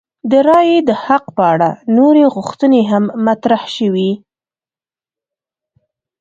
د رایې د حق په اړه نورې غوښتنې هم مطرح شوې.